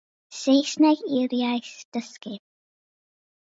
Saesneg yw'r iaith ddysgu.